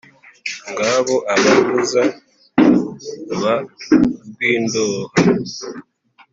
Ngabo abavuza ba Rwindoha